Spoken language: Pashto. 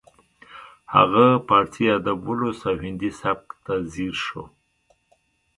هغه پارسي ادب ولوست او هندي سبک ته ځیر شو